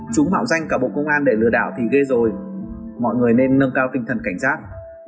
cả bộ công an để lừa đảo thì ghê rồi mọi người nên nâng cao tinh thần cảnh giác